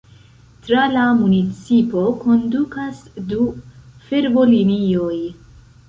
Tra la municipo kondukas du fervojlinioj.